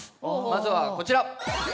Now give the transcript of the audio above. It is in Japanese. まずはこちら。